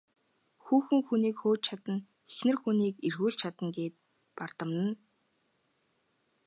Хүүхэн хүнийг хөөж ч чадна, эхнэр хүнийг эргүүлж ч чадна гээд гэж бардамнана.